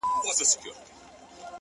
سترگي يې توري .پر مخ يې ښكل كړه.